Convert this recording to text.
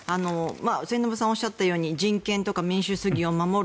末延さんがおっしゃったように人権とか民主主義を守る。